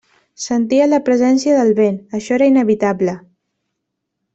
Sentia la presència del vent, això era inevitable.